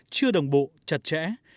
chưa đồng bộ chặt chẽ